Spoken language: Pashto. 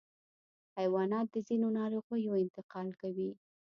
حیوانات د ځینو ناروغیو انتقال کوي.